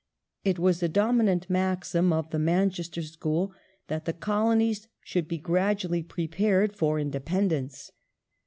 It was a dominant maxim of the Manchester School that the Colonies should be gradually prepared for independence.